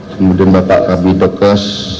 kemudian bapak kabitokas